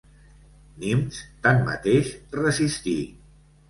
Nimes, tanmateix, resistí.